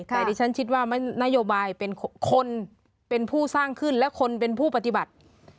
แต่ดิฉันคิดว่านโยบายเป็นคนเป็นผู้สร้างขึ้นและคนเป็นผู้ปฏิบัติ